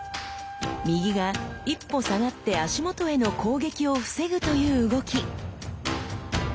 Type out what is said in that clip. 右が一歩下がって足元への攻撃を防ぐという動き。